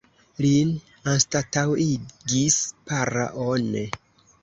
Lin anstataŭigis Para One.